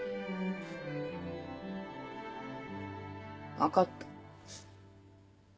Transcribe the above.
分かった。